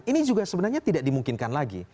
ini juga sebenarnya tidak dimungkinkan lagi